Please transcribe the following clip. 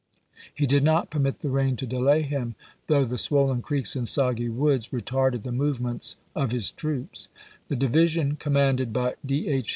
He did not permit the rain to delay him, though the swollen creeks and soggy woods retarded the movements of his troops. The division commanded by D. H.